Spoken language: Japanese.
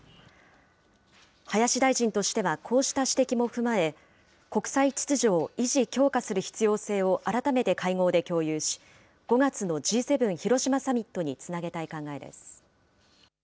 林大臣としてはこうした指摘も踏まえ、国際秩序を維持・強化する必要性を改めて会合で共有し、５月のＧ７広島サミットにつなげたい考えです。